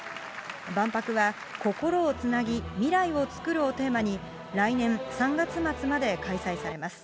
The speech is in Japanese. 万博は、心をつなぎ未来を創るをテーマに、来年３月末まで開催されます。